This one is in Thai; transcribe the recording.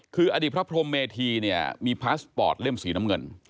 คืออดีตพระพรมเมธีเนี่ยมีพาสปอร์ตเล่มสีน้ำเงิน